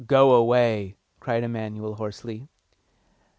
"Go away!" cried Emanuel hoarsely.